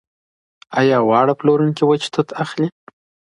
ایا واړه پلورونکي وچ توت اخلي؟